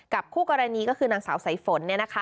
คู่กรณีก็คือนางสาวสายฝน